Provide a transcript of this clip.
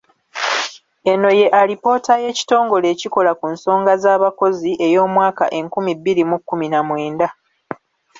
Eno ye alipoota y'ekitongole ekikola ku nsonga z'abakozi ey'omwaka enkumi bbiri mu kkumi na mwenda.